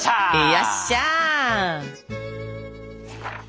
よっしゃ！